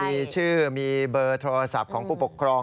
มีชื่อมีเบอร์โทรศัพท์ของผู้ปกครอง